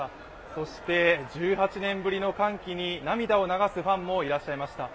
そして、１８年ぶりの歓喜に涙を流すファンもいらっしゃいました。